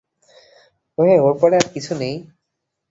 ওহে, ওর পরে আর কিছু নেই?